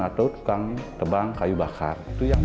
atau tukang tebang kayu bakar